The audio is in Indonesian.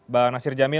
bang nasir jamil